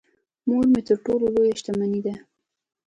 مور مې تر ټولو لويه شتمنی ده .